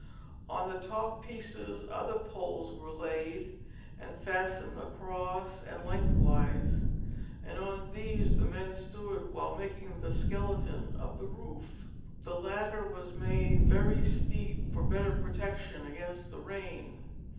On the top pieces other poles were laid and fastened across and lengthwise, and on these the men stood while making the skeleton of the roof. The latter was made very steep for better protection against the rain.